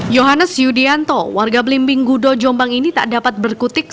yohannes yudianto warga belimbing gudo jombang ini tak dapat berkutik